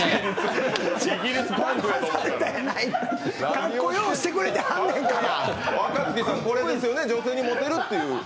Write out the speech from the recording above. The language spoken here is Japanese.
かっこようしてくれはってんねんから。